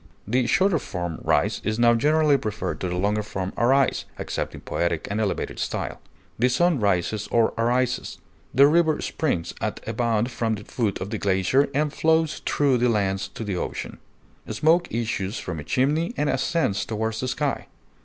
The shorter form rise is now generally preferred to the longer form arise, except in poetic or elevated style. The sun rises or arises; the river springs at a bound from the foot of the glacier and flows through the lands to the ocean. Smoke issues from a chimney and ascends toward the sky.